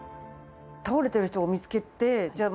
倒れてる人を見つけてじゃあ